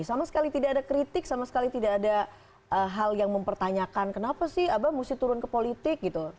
sama sekali tidak ada kritik sama sekali tidak ada hal yang mempertanyakan kenapa sih abah mesti turun ke politik gitu